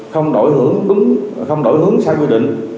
không đổi hướng sai quy định